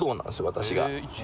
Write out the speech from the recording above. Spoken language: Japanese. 私が。